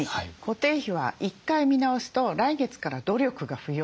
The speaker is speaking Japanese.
固定費は１回見直すと来月から努力が不要なので。